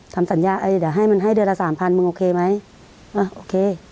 ทำสัญญาไอ้เดี๋ยวให้มันให้เดือนละสามพันมึงโอเคไหมอ่ะโอเค